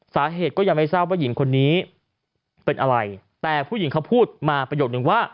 สาเหตุก็ยังไม่ทราบว่าหญิงคนนี้เป็นอะไรแต่ผู้หญิงเขาพูดมาประโยคนึงว่า